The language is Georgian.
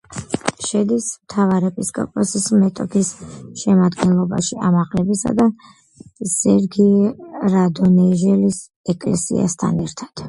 შედის მთავარეპისკოპოსის მეტოქის შემადგენლობაში ამაღლებისა და სერგი რადონეჟელის ეკლესიასთან ერთად.